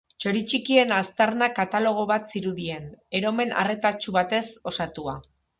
Txori txikien aztarna katalogo bat zirudien, eromen arretatsu batez osatua.